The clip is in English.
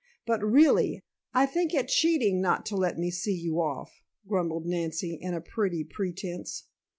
But, really, I think it cheating not to let me see you off," grumbled Nancy in pretty pretense.